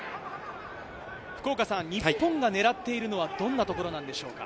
日本は狙っているのはどんなところなんでしょうか？